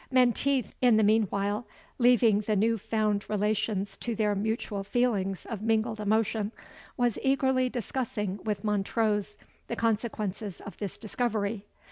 Menteith, in the meanwhile, leaving the new found relations to their mutual feelings of mingled emotion, was eagerly discussing with Montrose the consequences of this discovery.